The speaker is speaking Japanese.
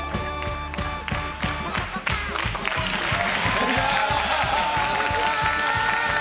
こんにちは！